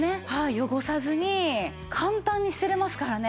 汚さずに簡単に捨てられますからね。